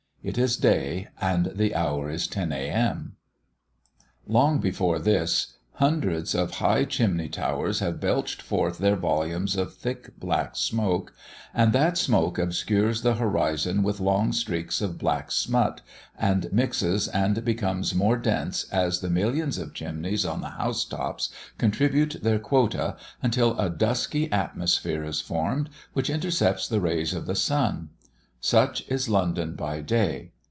It is day and the hour is 10 A.M. Long before this, hundreds of high chimney towers have belched forth their volumes of thick black smoke, and that smoke obscures the horizon with long streaks of black smut, and mixes and becomes more dense as the millions of chimneys on the house tops contribute their quota, until a dusky atmosphere is formed, which intercepts the rays of the sun. Such is London by day.